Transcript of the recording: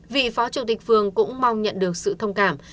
vị phó chủ tịch phường cũng mong nhận được sự thông cảm